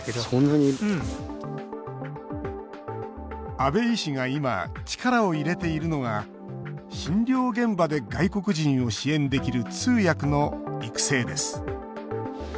阿部医師が今、力を入れているのが診療現場で外国人を支援できる「通訳」の育成です。